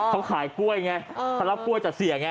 เขาขายกล้วยไงเขารับกล้วยจากเสียไง